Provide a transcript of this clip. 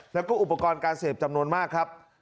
แล้วก็อุปกรณ์การเสพจำนวนมากครับ